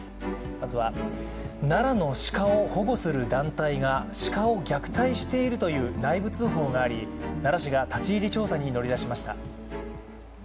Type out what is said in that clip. まずは奈良の鹿を保護する団体が鹿を虐待しているという内部通報があり、奈良市が立ち入り調査に乗り出しました。